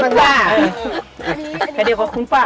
หนึ่งสองซ้ำยาดมนุษย์ป้า